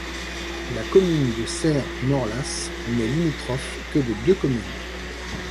La commune de Serres-Morlaàs n'est limitrophe que de deux communes.